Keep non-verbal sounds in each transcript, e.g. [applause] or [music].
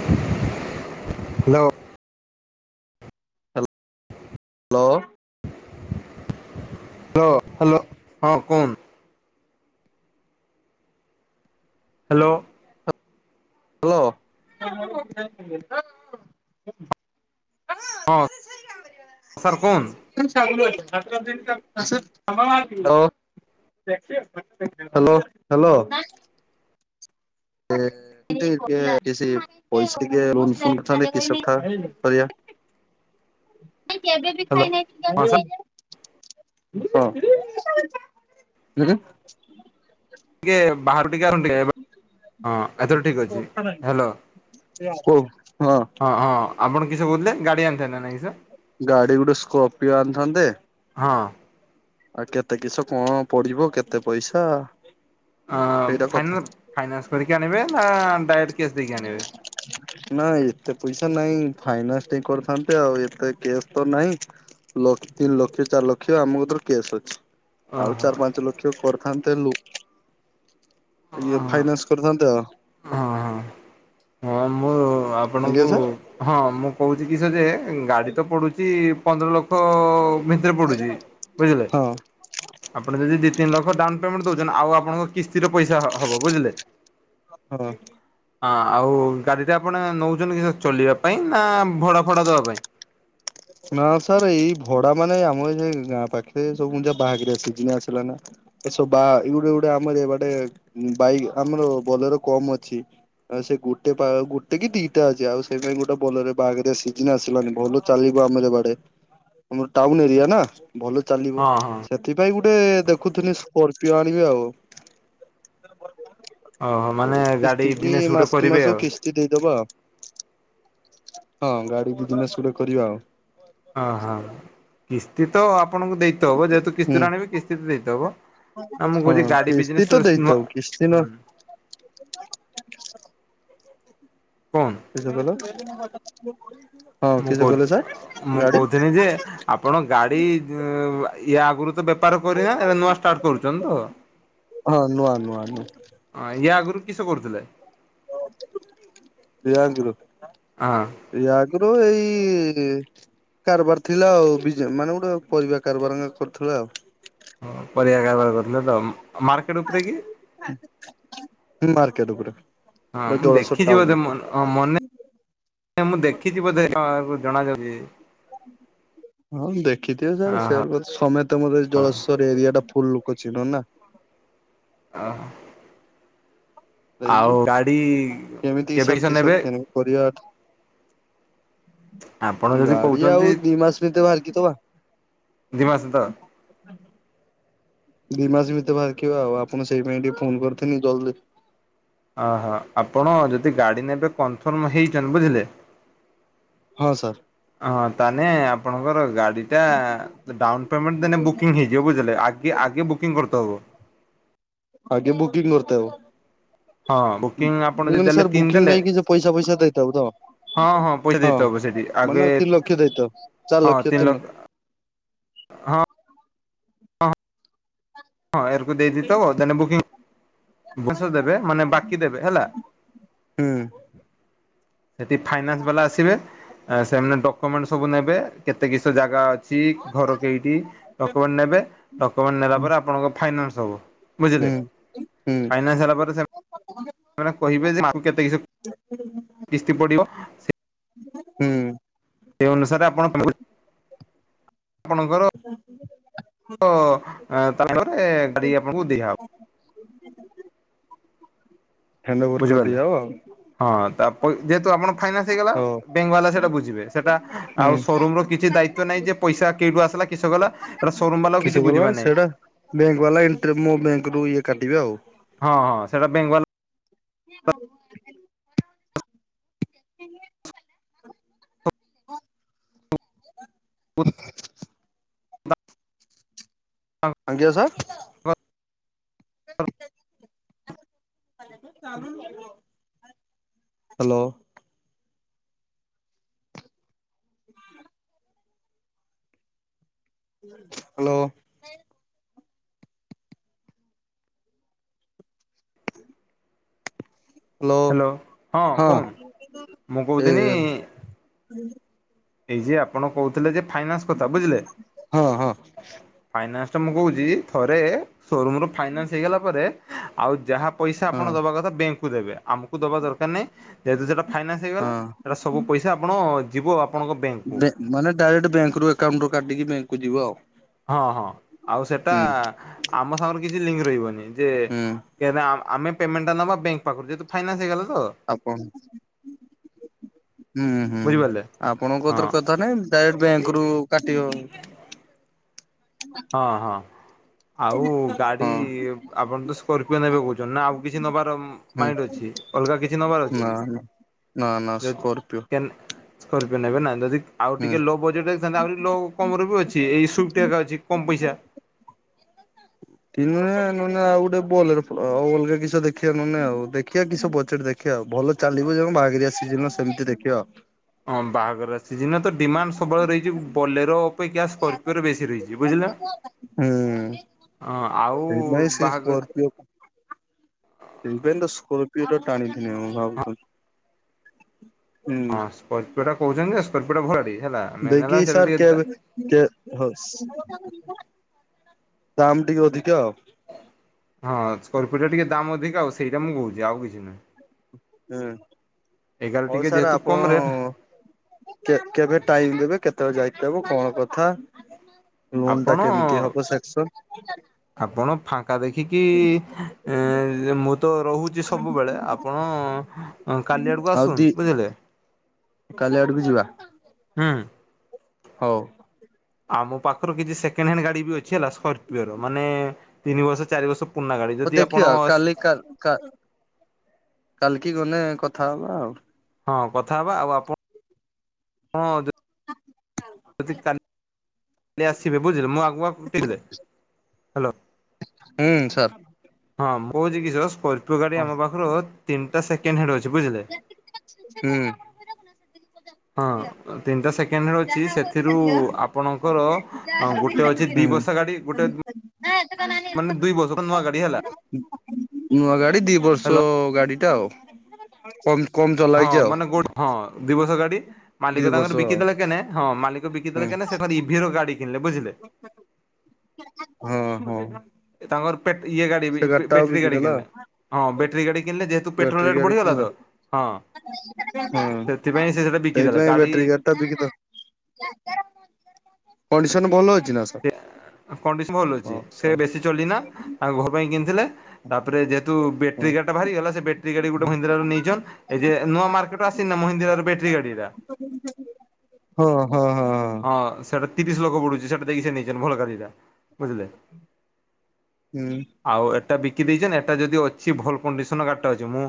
ହ hello. Hello. Hello hello ହଁ କୁହନ୍ତୂ। ହ୍ୟାଲୋ। ହ୍ୟାଲୋ। ହଁ ସାର୍ କୁହନ୍ [inaudible] [inaudible] ହ୍ୟାଲୋ ହ୍ୟାଲୋ। ତି ଟିକେ ପଇସା ଟିକେ କରିବା [inaudible] ନ ଏବେ ବି ହ୍ୟାଲୋ ହଁ ଖାଇନାହିଁ। ସାର୍ ହଁ। ଟିକେ ବାହାରୁ ଟିକେ ଆସନ୍ତୁ ଟିକେ। ହଁ ଏଥର ଠିକ ଅଛି ହ୍ୟାଲୋ। କହୁ ହଁ। ଆପଣ କିସ କହୁଥିଲେ ଗାଡ଼ି ଆଣିଥାନ୍ତେ ନା ନାଇଁ କିସ? ଗାଡି ଗୋଟେ ସ୍କର୍ପିଓ ଆଣିଥାନ୍ତେ। ହଁ। ଆଉ କେତେ କିସ କଣ ପଡିବ କେତେ ପଇସା? ହଁ ସେଇଟା କଥା ଫାଇନା ଫାଇନାନ୍ସ କରିକି ଆଣିବେ ନା ଡାଇରେକ୍ଟ କ୍ୟାସ୍ ଦେଇକି ଆଣିବେ। ନା ଏତେ ପଇସା ନାହିଁ ଫାଇନାନ୍ସ ଟେ କରିଥାନ୍ତେ ଆଉ ଏତେ କେ୍ୟାସ୍ ତ ନାହିଁ। ଲକ୍ଷ ତିନି ଲକ୍ଷ ଚାରି ଲକ୍ଷ ଆମ କତିରେ କ୍ୟାସ୍ ଅଛି। ଆଉ ଓହୋ ଚାରି ପାଞ୍ଚ ଲକ୍ଷ କରିଥାନ୍ତେ ଲ ଇଏ ହଁ ଫାଇନାନ୍ସ କରିଥାନ୍ତେ ଆଉ। ଓ ଆଜ୍ଞା ଆପଣଙ୍କୁ ସାର୍ ହଁ ମୁଁ କହୁଛି କି ସେ ଯେ ଗାଡି ତ ପଡୁଛି ପନ୍ଦର ଲକ୍ଷ ଭିତରେ ପଡୁଛି ବୁଝିଲେ। ହଁ। ଆପଣ ଯଦି ଦି ତିନି ଲକ୍ଷ ଡାଉନ ପେମେଣ୍ଟ ଦଉଛନ୍ତି ଆଉ ଆପଣଙ୍କୁ କିସ୍ତିର ପଇସା ହ ହବ ବୁଝିଲେ ହଁ ଆ ଆଉ ଗା ଯଦି ଆପଣ ନେଉଛନ୍ତି କି ସେ ଚଲିବା ପାଇଁ ନା ଭଡ଼ା ଫଡ଼ା ଦେବା ପାଇଁ? ନା ସାର୍ ଏଇ ଭଡା ମାନେ ଆମର ଆମ ଏଇ ଗାଁ ପାଖରେ ସବୁ ଯ ବାହାଘରିଆ ଶିଯିନ ଆସିଲା ନା। ଏସବୁ ବା ଏ ଗୋଟେ ଗୋଟେ ଆମର ବାଟେ ବାଇ ଆମର ବୋଲେର କମ ଅଛି। ଆଉ ସେ ଗୋଟେ ପା ଗୋଟେ କି ଦିଟା ଅଛି ଆଉ ସେଇଥିପାଇଁ ଗୋଟେ ବୋଲେରୋରେ ବାହାଘରିଆ ସିଝିନ ଆସିଲାନି ଭଲ ଚାଲିବ ଆମର ଏ ବାଡେ ଆମର ଟାଉନ ଏରିଆ ନା ଭଲ ଚାଲିବ। ହଁ ହଁ ସେଥିପାଇଁ ଗୋଟେ ଦେଖୁଥିଲି ସ୍ପର୍ଚିଓ ଆଣିବି ଆଉ। ଓହୋ ଏ ମାନେ ଗାଡି କିସ୍ତି କି ବିଜନେସ ଗୋଟେ ମାସ୍କି କରିବେ ମାସ ଆଉ କିସ୍ ତି ଦେଇଦବା। ହଁ, ଗାଡି ବିଜ୍ ନେସ୍ ଗୁଟେ କରିବା ଆଉ। ଅହ କିସ୍ତି ତ ଆପଣଙ୍କୁ ଦେଇତେ ହବ। ଯେହେତୁ ହୁଁ କିସ୍ତିରେ ଆଣିବେ କିସ୍ତି ତ ଦେଇତେ ହବ। ଆ ମୁଁ କହୁଛି ହଁ ଗାଡି କିସ୍ତି ବିଜନେସ୍ ତ ନ ଦେଇଥାଉ କିସ୍ତି ନ ହୁଁ। କନ୍ କିସ କହିଲ? ହଁ ମୁଁ କିସ କହିଲେ କହୁ, ସାର୍ ମୁଁ ଗାଡି କହୁଥିନି ଯେ ଆପଣ ଗାଡ଼ି-ଇ ୟା ଆଗରୁ ତ ବେପାର କରିନା, ଏ ନୂଆ ଷ୍ଟାର୍ଟ କରୁଛନ୍ତି ତ। ହଁ ନୂଆ ନୂଆ ନୂଆଁ। ହଁ, ୟା ଆଗରୁ କିସ କରୁଥିଲେ? ୟା, ଆଗରୁ ହଁ। ୟା ଆଗୁରୁ ଏଇ କାରବାର ଥିଲା ଆଉ। ବିଜ୍ ମାନେ ଗୁଟେ ପରିବା କାରବାର କରୁଥିଲେ ଆଉ। ହ ପରିବା କାରବାର କରୁଥିଲେ ତ, ମାର୍କେଟ ଉପରେ କି? ହୁଁ ମାର୍କେଟ ଉପରେ। ହଁ, ପୁରା ମୁଁ ଜଳେଶ୍ୱର ଦେଖିଛି ଟାଉନ ବୋଧେ ଉପରେ। ମନ ହଁ, ମନେ ମୁଁ ଦେଖିଛି ବୋଧେ! କ ଜଣା ଯାଉଛି। ହଁ, ଦେଖିଥିବେ ଯେଆରେ ଓହୋ ସେର୍ ସମେତେ ମତେ ଜଳେଶ୍ଵର ଏରିଆ ଟା ଫୁଲ୍ ଲୋକ ଚି଼ହ୍ନ ନା। ଆ, ହଁ। ଗାଡି ରହିକି କେମିତି କେବେ ସାର୍ କିସ ନେବେ? କିଣି ପରିବା ଆପଣ ଯଦି ଗାଡି କହୁଛନ୍ତି ଆଉ ଦି ମାସ ଭିତରେ ବାହାରିକି ଦବା। ଦି ମାସ ତ ଦି ମାସ ଭିତରେ ବାହାରିକା ଆଉ ଆପଣ ସେଇ ପାଇଁ ଟିକେ ଫୋନ୍ କରିଥିଲି ଜଲଦି। ଅ ହ ଆପଣ ଯଦି ଗାଡି ନେବେ କନଫର୍ମ ହେଇଛନ୍ ବୁଝିଲେ! ହଁ ସାର୍। ହଁ, ତାନେ ଆପଣଙ୍କର ଗାଡି ଟା ଡାଉନ୍ ପେମେଣ୍ଟ ଦେନେ ବୁକିଂ ହେଇଯିବ। ବୁଝିଲେ ଆଗେ ଆଗେ ବୁକିଂ କରିତେହବ। ଆଗେ ବୁକିଂ କରିତେହବ। ହଁ ମୁଁ, ବୁକିଂ ଆପଣ ଯଦି କହିନି ଦେଲେ ସାର୍ ତିନି ବୁକିଂ ଦେଲେ ପାଇଁ କିସ ପଇସା ଫଇସା ଦେଇତେହବ ହଁ ତ? ପଇସା ହଁ, ଦେଇତେ ହବ ସେଠି ଆଗେ ମାନେ ତିନି ଲକ୍ଷ ଦେଇ ତ, ଚାରି ହଁ ଲକ୍ଷ ତିନି ତିନ ହଁ। ହଁ, ଏହାରକୁ ଦେଇଦେଇ ଥବ ଦେନେ ବୁକିଂ ଭୋସୋ ଦେବେ ମାନେ, ବାକି ଦେବେ ହେଲା। ହୁଁ। [inaudible] ସେଠି ଫାଇନାନ୍ସ ବାଲା ଆସିବେ। ସେମାନେ ଡକମେଣ୍ଟ ସବୁ ନେବେ। କେତେ କିସ ଜାଗା ଅଚ୍ ଚି ଘର କେଇଟି ଡକୁମେଣ୍ଟ ନେବେ। ଡକୁମେଣ୍ଟ ନେଲା ହୁଁ ପରେ ଆପଣଙ୍କ ଫାଇନାନ୍ସ ହବ। ବୁଝିଲେ, ହୁଁ ଫାଇନାନ୍ସ ହେଲା ପରେ ସେ ମାନେ କହିବେ ଯେ, ମାସକୁ କେତେ କିସ କିସ୍ତି ପଡିବ। ସେ ହୁଁ। ସେ ଅନୁସାରେ ଆପଣ [inaudible] ଆପଣଙ୍କର [inaudible] [inaudible] ତା'ପରେ ଗାଡି ଆପଣଙ୍କୁ ଦିଆହବ। ହେଣ୍ଡଓଭର୍ କର୍ ବୁଝିପାରିଲେ ଦିଆଅବ। ହଁ, ତାପ ଯେହେତୁ ଆପଣଙ୍କ ଫାଇନାନ୍ସ ହେଇଗଲା, ହଉ ବ୍ୟାଙ୍କ୍ ବାଲା ସେଇଟା ବୁଝିବେ। ସେଟା ହୁଁ ଆଉ ସୋରୁମ୍ ର କିଛି ଦାୟିତ୍ଵ ନାହିଁ ଯେ, ପଇସା କେଇଠୁ ଆସିଲା, କିସ ଗଲା। ସେଟା ସୋରୁୁମ୍ ବାଲା ଆଉ କିଛି ବୁଝିବେ ନାହିଁ। ବ୍ୟାଙ୍କ୍ ବାଲା ଇନ୍ଟ୍ରେ ମୋ ବ୍ୟାଙ୍କରୁ ଇଏ କାଟିବେ ଆଉ। ହଁ, ହଁ, ସେଟା ବ୍ୟାଙ୍କ୍ ବାଲା [inaudible] [inaudible] [inaudible] [inaudible] ଆଜ୍ଞା ସାର୍। [unintelligible] ହ୍ୟାଲୋ [inaudible] ହ୍ୟାଲୋ ହ୍ୟାଲୋ ହଁ କୁହନ ମୁଁ ଏ କହୁଥିନି ଏଇ ଯେ ଆପଣ କହୁଥିଲେ ଯେ ଫାଇନାନ୍ସ କଥା ବୁଝିଲେ। ହଁ ହଁ ଫାଇନାନ୍ସ ଟା ମୁଁ କହୁଛି ଥରେ ସୋରୁମ୍ ରୁ ଫାଇନାନ୍ସ ହେଇଗଲା ପରେ ଆଉ ଯାହା ପଇସା ହଁ ଆପଣ ଦେବା କଥା ବ୍ୟାଙ୍କକୁ ଦେବେ ଆମକୁ ଦେବା ଦରକାର ନାହିଁ ଯେହେତୁ ସେଇଟା ଫାଇନାନ୍ସ ହେଇଗଲା ହଁ। ସେଇଟା ସବୁ ପଇସା ଆପଣ ଯିବ ଆପଣଙ୍କ ବ୍ୟାଙ୍କକୁ। ବେ ମାନେ ଡାଇରେକ୍ଟ ବ୍ୟାଙ୍କୁ ଏକକାଉଣ୍ଟରୁୁ କାଟିକି ବ୍ୟାଙ୍କକୁୁ ଯିବ ଆଉ। ହଁ ହଁ ଆଉ ସେଟା ହୁଁ ଆମ ସାଙ୍ଗରେ କିଛି ଲିଙ୍କ ରହିବନି ଯେ ହୁଁ। କେ ଆ ଆମେ ପେମେଣ୍ଟ ଟା ନେବା ବ୍ୟାଙ୍କ ପାଖରୁ ଯେହେତୁ ଫାଇନାନ୍ସ ହେଇଗଲା ତ ଆପଣ ହୁଁ ହୁଁ ବୁଝିପାରିଲେ। ଆପଣଙ୍କ ହଁ ତର କଥା ନାଇଁ ଡାଇରେଟ ବ୍ୟାଙ୍କ ରୁ କାଟିବ। ହଁ ହଁ। ଆଉ ଗାଡି ହଁ ଆପଣ ତ ସ୍କର୍ପିଓ ନେବେ କହୁଛନ୍ତି ନା ଆଉ କିଛି ନବାରମ ହୁଁ ମାଇଣ୍ଡ ଅଛି ଅଲଗା କିଛି ନବାର ଅଛି ନା କି? ନା। ନା ନା ଯଦି ସ୍କର୍ପିଓ କେନ ସ୍କର୍ପିଓ ନେବେ ନା ଯଦି ଆଉ ହୁଁ ଟିକେ ଲୋ ବଜେଟରେ ଥାନ୍ତା ଆଉରି ଲୋ କମରେ ବି ଅଛି ଏଇ ସୁଇଫ୍ଟ ଆକା ଅଛି କମ ପଇସା। [inaudible] ତି ନହେଲେ ନହେଲେ ଆଉ ଗୋଟେ ବୋଲେରୋ ଆଉ ଅଲଗା କିଛିଟା ଦେଖିବା ନହେଲେ ଆଉ ଦେଖିବା କି ବଜେଟ ଦେଖ ଦେଖିବା ଆଉ ଭଲ ଚାଲିବ ଯେଉ ବାହାଘିରିଆ ସିଜିନର ସେମିତି ଦେଖିବା ଆଉ। ହଁ ବାହାଘର ସିଜିନ ତ ଡିମାଣ୍ଡ ସବୁବେଳେ ରହିଛି ବୋଲେର ଅପେକ୍ଷା ସ୍କର୍ପିଓରେ ବେଶୀ ରହିଛି ବୁଝିଲ। ହୁଁ ହଁ ଆଉ ସେଇଥିପାଇଁ ସେ ବାହାଘର [inaudible] ସେଥିପାଇଁ ତ ସ୍କୋର୍ପିଓର ଟା ଟାଣିକି ନେବ ଭାବୁଥଲି ହଁ ସ୍କର୍ପିଓ ଟା କହୁଛନ୍ତି ସ୍କର୍ପିଓ ଟା ଘଟି ହେଲା। ମେନ୍ ଦେଇକି ହେଲା ସେଇଟା ସାର୍ ଟିକେ କେବେ କେ ହସ ଦାମ ଟିକେ ଅଧିକା ଆଉ। ହଁ ସ୍କୋର୍ପିଓ ଟା ଟିକେ ଦାମ ଅଧିକ ଆଉ ସେଇଟା ମୁଁ କହୁଛି ଆଉ କିଛି ନାଇଁ। ହୁଁ ଏଗାର ହଉ ଟିକେ ସାର୍ ଯେହେତୁ ଆପଣ କମ୍ ରେଟ୍ କେ-କେବେ ଟାଇମ ଦେବେ କେତେବେଳେ ଯାଇକି ତାକୁ କଣ କଥା? ଲୋନ୍ ଟା ଆପଣ କେମିତି ହବ ସେକ୍ସନ? ଆପଣ ଫାଙ୍କା ଦେଖିକି ଏ ମୁଁ ତ ରହୁ ସବୁବେଳେ ଆପଣ କାଲି ଆଡକୁ ଆଉ ଆସୁନ ଦି ବୁଝିଲେ। କାଲି ଆଡକୁ ଯିବା। ହୁଁ। ହଉ। ଆମ ପାଖରୁ କିଛି ସେକେଣ୍ଡ ହ୍ୟାଣ୍ଡ ଗାଡି ବି ଅଛି ହେଲା ସ୍କର୍ପିଓର ମାନେ ତିନି ବର୍ଷ ଚାରି ବର୍ଷ ପୁରୁଣା ଗାଡ଼ି ହଉ ଯଦି ଆପଣ ଦେଖିବା କାଲି କା କା କାଲିକି ଗଣେ କଥା ହେବା ଆଉ। ହଁ କଥା ହବା ଆଉ ଆପଣ ହଁ ଦେ ଯଦି କାଲି କାଲି ଆସିବେ ବୁଝିଲେ ମୁଁ ଆଗୁଆ [unintelligible] ହ୍ୟାଲୋ ହୁଁ ସାର ହଁ ମୁଁ କହୁଛି କି ସ୍କର୍ପିଓ ଗାଡି ହଁ ଆମ ପାଖରୁ ତିନିଟା ସେକଣ୍ଡ ହ୍ୟାଣ୍ଡ ଅଛି ବୁଝିଲେ? ହୁଁ। ହଁ ତିନିଟା ସେକେଣ୍ଡ ହେଣ୍ଡ ଅଛି ସେଥିରୁ ଆପଣଙ୍କର ହଁ ଗୋଟେ ଅଛି ଦି ହୁଁ ବର୍ଷା ଗାଡି ଗୋଟେ ମାନେ ଦୁଇ ବର୍ଷ ନୂଆ ଗାଡି ହେଲା। ନୂଆ ଗାଡି ଦି ବର୍ଷ ହ୍ୟାଲୋ ଗାଡିଟା ଆଉ କମ କମ ଜ ହଁ ମାନେ ଗୋଟ ହଁ ଦି ବର୍ଷ ଗାଡି ଦି ମାଲିକ ବର୍ଷ ତାଙ୍କର ଆଉ ବିକିଦେଲେ କେନେ ହଁ ମାଲିକ ହୁଁ ବିକିଦେଲେ କେନେ ସେ ଇଭିର ଗାଡି କିଣିଲେ ବୁଝିଲେ? ହଁ ହଉ। ତାଙ୍କର ପେଟ ଇଏ ଗାଡି ବେଟେରୀ ଗାଡି ବିକିଦେଲା କିଣିଲେ। ହଁ ବ୍ୟାଟେରୀ ଗାଡ଼ି କିଣିଲେ ଯେହେତୁ ପେଟ୍ରୋଲ ବ୍ୟାଟେରୀ ରେଟ୍ ଗାଡି ବଢ଼ିଗଲା କିଣିଲା ତ ହଁ। ହଁ ସେଥିପାଇଁ ସେ ସେଟା ବିକିଦେଲେ ସେଇପାଇ ବ୍ୟାଟେରୀ ଗାଡି ଗା ତା ବିକିଦେଲେ କଣ୍ଡିସନ ଭଲ ଅଛି ନା? ସାର୍? ସେ କଣ୍ଡିସନ ଭଲ ଅଛି। ହଁ ସେ ସାର୍ ବେଶୀ ଚଲିନା ତାଙ୍କ ଘର ପାଇଁ କିଣିଥିଲେ। ତାପରେ ଯେହେତୁ ହଁ ବେଟ୍ରି ଗାଡ଼ିଟା ବାହାରିଗଲା ସେ ବେଟ୍ରି ଗାଡ଼ି ଗୋଟେ ମହିନ୍ଦ୍ରାର ନେଇଛନ୍। ଏଇ ଯେ ନୂଆ ମାର୍କେଟର ଆସିନି ମହିଦ୍ରା ର ବେଟ୍ରି ଗାଡି ଟା? ହଁ ହଁ ହଁ। ହଁ ସେଟା ତିରିଶ ଲୋକ ବଡୁଛି ସେଟା ଦେଇକି ସେ ନେଇଛନ୍ତି ଭଲ ଗାଡିଟା। ବୁଝିଲେ? ହୁଁ ଆଉ ଏଟା ବିକି ଦେଇଛନ୍ତି ଏଟା ଯଦି ଅଛି ଭଲ କଣ୍ଡିସନ ଗାଡ଼ଟା ଅଛି। ମୁଁ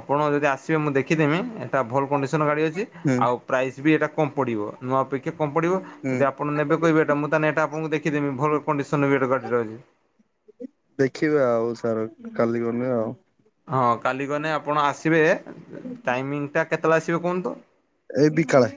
ଆପଣ ଯଦି ଆସିବେ ମୁଁ ଦେଖିଦେମି। ଏଟା ଭଲ କଣ୍ଡିସନ ଗାଡ଼ି ଅଛି ହୁଁ ଆଉ ପ୍ରାଇସ୍ ବି ଏଇଟା କମ୍ ପଡ଼ିବ। ନୂଆ ଅପେକ୍ଷା କମ୍ ପଡ଼ିବ। ହୁଁ। ଯଦ ଆପଣ ନେବେ କଇବେ ଏଟା ମୁଁ ତାହାନେ ଏଇଟା ଆପଣଙ୍କୁ ଦେଖିଦେମି ଭଲ କଣ୍ଡିସନର ହବ ଏଟା ଗାଡିରହିବେ। ଦେଖିବା ଆଉ ସାର କାଲି ଗଲେ ଆଉ ହଁ କାଲି ଗଲେ ଆପଣ ଆସିବେ ଟାଇମିଂଟା କେତେବେଳେ ଆସିବେ କୁହନ୍ତୁ? ଏଇ ବିକାଳେ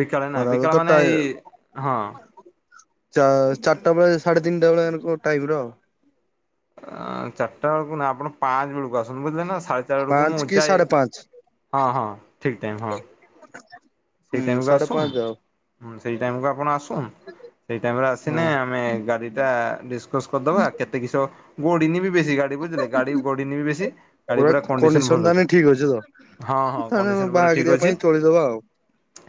ବିକାଳେ ନା ଖରାବେଳେ ବିକାଳ ତ ଟା ମାନେ ଏଇ ହଁ। ଚାରିଟା ବେଳେ ସାଢେ ତିନିଟା ବେଳେ ଟାଇମର ଚାରିଟା ବେଳକୁ ନା ଆପଣ ପାଞ୍ଚ ବେଳକୁ ଆସନ୍ତୁ ବୁଝିଲେ ନା। ସାଢେ ସେତବେଳକୁ ପାଞ୍ଚ ମୁଁ କି ଯାଇ ସାଢେ ପାଞ୍ଚ। ହଁ ହଁ ଠିକ୍ ଟାଇମ୍ ହଁ। ସେଇ ହୁଁ ଟାଇମକୁ ସାଢ଼େ ଆସୁନ୍ ପାଞ୍ଚ ଆଉ ହୁଁ ସେଇ ଟାଇମକୁୁ ଆପଣ ଆସନ। ସେଇ ଟାଇମରେ ଆସିନେ ହଁ ଆମେ ଗାଡିଟା ଡିସକସ କରିଦବା କେତେ କିସ ଗଡିନି ବି ବେଶୀ ଗାଡି ବୁଝିଲେ ଗାଡି ଗଡିିନିବି ବେଶୀ ଗାଡି ପୁରା କଣ୍ଡିସନ ଭଲ ଅଛି। ହଁ ହଁ ତାନେ କଣ୍ଡିସନ ପୁରା ଠିକ୍ ବାହାଘରିଆ ପାଇଁ ଅଛି। ତୋଳିଦବା ଆଉ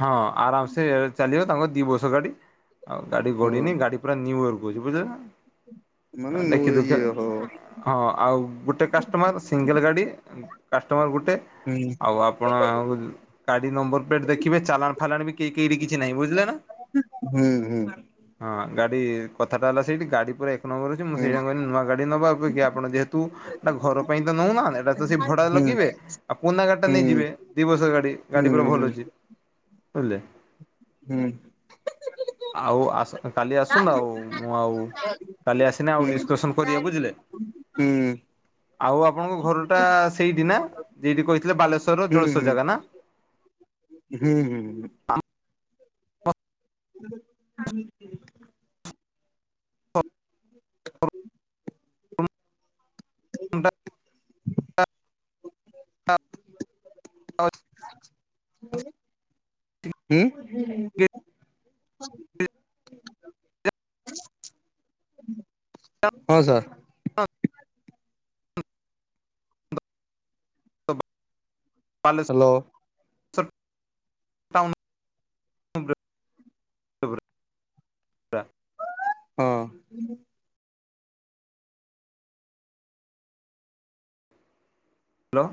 ହଁ ଆରାମସେ ଚାଲିବ ତାଙ୍କ ଦୁଇ ବର୍ଷ ଗାଡ଼ି ଆଉ ଗାଡ଼ି ହଁ ଗଡ଼ିନି। ଗାଡ଼ି ପୁରା ନିଉ ବୁଝିଲେନା ମାନେ ନୁ ଦେଖି ଦୁଃଖା ଇଏ ହଉ ହଁ ଆଉ ଗୋଟେ କାଷ୍ଟମର ସିଙ୍ଗଲ ଗାଡ଼ି କାଷ୍ଟମର ଗୋଟେ। ହୁଁ ଆଉ ଆପଣ ଆଉ ଗାଡି ନମ୍ବର ଏ ଦେଖିବେ ଚାଲାଣ ଫାଲାଣ ବି କି କିରି କିଛି ନାହିଁ ବୁଝିଲେ ନା? ହୁଁ ହୁଁ। ହଁ ଗାଡି କଥାଟା ହେଲା ସେଇଠି ଗାଡି ପୁରା ଏକ ନମ୍ବର ଅଛି। ମୁଁ ହୁଁ ସେଇଟା ପାଇଁ କଇନି ନୂଆ ଗଡ଼ି ନବା ଅପେକ୍ଷା ଆପଣ ଯେହେତୁ ନା ଘର ପାଇଁ ତ ନଉନ ଏଇଟା ତ ସେ ଭଡାରେ ହୁଁ ଲଗେଇବେ। ଆଉ ପୁନା ଗାଡି ଟା ନେଇ ହୁଁ ଯିବେ। ଦି ବର୍ଷର ଗାଡି, ଗାଡି ହୁଁ ପୁରା ଭଲ ଅଛି ବୁଝିଲେ? ହୁଁ। ଆଉ ଆସ କାଲି ଆସୁନ ଆଉ ମୁଁ ଆଉ କାଲି ଆସନେ ଆଉ ହୁଁ ଡିସକସନ କରିବା ବୁଝିଲେ। ହୁଁ। ଆଉ ଆପଣଙ୍କ ଘରଟା ସେଇଠି ନା ଯଇଠି କହିଥିଲେ ବାଲେଶ୍ଵରର ହୁଁ ଜଳେଶ୍ୱର ହୁଁ ଜାଗା ନା? ହୁଁ ହୁଁ ଆମ [inaudible] [inaudible] [inaudible] ହୁଁ। [inaudible] ହଁ ସାର୍। ହଁ। ବାଲେଶ୍ଵର। ହ୍ୟାଲୋ। ଟାଉନ ଉପରେ [unintelligible] ହଁ। ହ୍ୟାଲୋ।